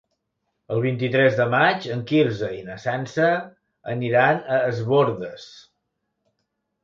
El vint-i-tres de maig en Quirze i na Sança aniran a Es Bòrdes.